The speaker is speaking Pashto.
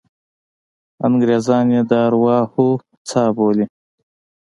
انګریزان یې د ارواحو څاه بولي.